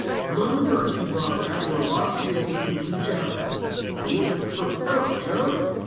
Among the birds he brought back were a lot of skins of the blue chatterer the one with the purple throat, you know.